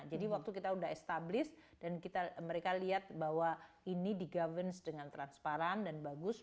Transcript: jadi waktu kita sudah established dan mereka lihat bahwa ini di governed dengan transparan dan bagus